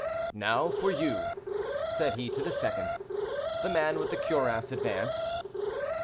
Now for you," said he to the second. The man with the cuirass advanced.